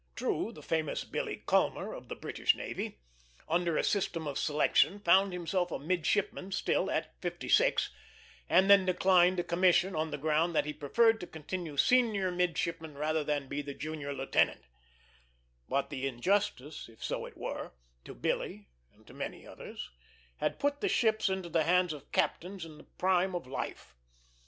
True, the famous Billy Culmer, of the British navy, under a system of selection found himself a midshipman still at fifty six, and then declined a commission on the ground that he preferred to continue senior midshipman rather than be the junior lieutenant; but the injustice, if so it were, to Billy, and to many others, had put the ships into the hands of captains in the prime of life.